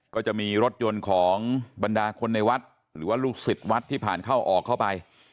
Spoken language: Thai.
ก็จะมีรถยนต์ของบรรดาคนในวัดหรือว่าลูกศิษย์วัดที่ผ่านเข้าออกเข้าไป